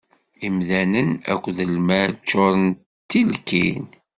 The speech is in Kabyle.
Imdanen akked lmal ččuṛen d tilkin.